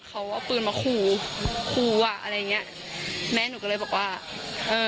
เขาเอาปืนมาขู่คู่อ่ะอะไรอย่างเงี้ยแม่หนูก็เลยบอกว่าเอ่อ